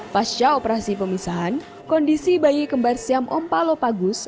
pasca operasi pemisahan kondisi bayi kembar siam ompalo pagus